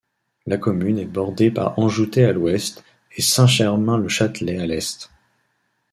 La commune est bordée par Anjoutey à l'ouest et Saint-Germain-le-Châtelet à l'est.